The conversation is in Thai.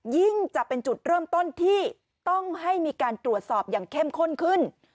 จะเป็นจุดเริ่มต้นที่ต้องให้มีการตรวจสอบอย่างเข้มข้นขึ้น